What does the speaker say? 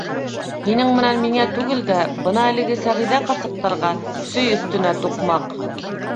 — Һинең менән миңә түгел дә, бына әлеге Сәғиҙә ҡарсыҡтарға, сөй өҫтөнә туҡмаҡ.